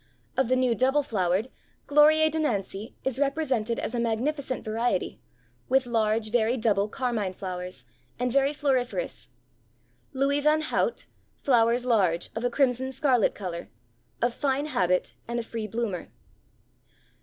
Of the new double flowered, Glorie de Nancy is represented as a magnificent variety, with large very double carmine flowers, and very floriferous. Louis Van Houtte, flowers large, of a crimson scarlet color; of fine habit, and a free bloomer.